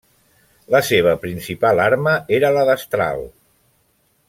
La seva principal arma era la destral.